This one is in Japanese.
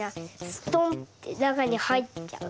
ストンッてなかにはいっちゃう。